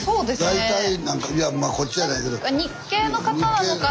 大体なんかいやまあこっちやねんけど。